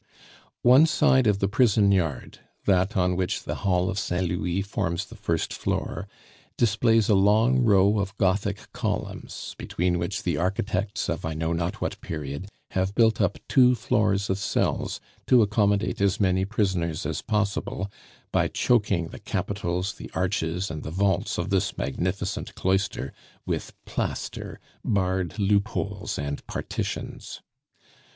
One side of the prison yard that on which the Hall of Saint Louis forms the first floor displays a long row of Gothic columns, between which the architects of I know not what period have built up two floors of cells to accommodate as many prisoners as possible, by choking the capitals, the arches, and the vaults of this magnificent cloister with plaster, barred loopholes, and partitions.